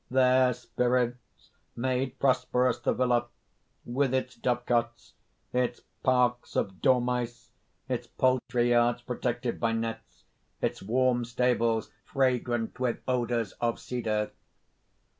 "Their spirits made prosperous the villa, with its dovecots, its parks of dormice, its poultry yards protected by nets, its warm stables fragrant with odours of cedar.